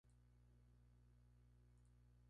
Se encuentra en la cuenca del Salton.